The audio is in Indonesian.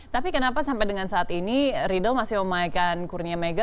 tapi kenapa sampai dengan saat ini riedel masih memainkan kurnia mega